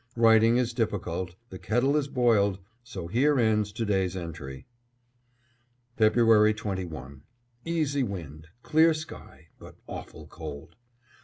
Writing is difficult, the kettle is boiled, so here ends to day's entry. February 21: Easy wind, clear sky, but awful cold.